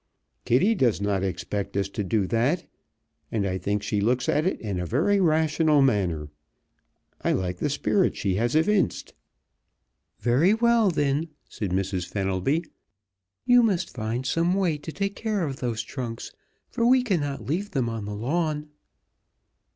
Kitty does not expect us to do that, and I think she looks at it in a very rational manner. I like the spirit she has evinced." "Very well, then," said Mrs. Fenelby, "you must find some way to take care of those trunks, for we cannot leave them on the lawn."